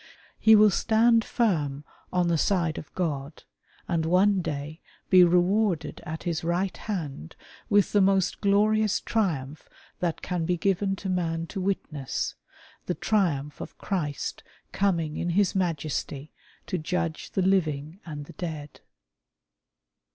He will stand firm on the side of G^d, and one day be rewarded at His Eight Hand with the most glorious triumph that can be given to man to witness — the triumph of Christ coming in His Majesty to judge the living and the dead.